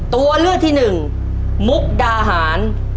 ตัวเลือกที่หนึ่งมุกดาหาร